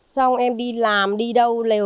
xong em đi làm đi đâu